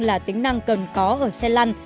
là tính năng cần có ở xe lăn